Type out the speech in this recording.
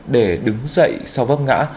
để đứng dậy sau vấp ngã